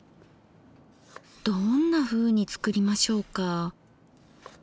どんなふうに作りましょうか。